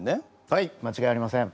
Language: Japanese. はい！